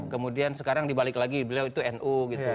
kemudian sekarang dibalik lagi beliau itu nu gitu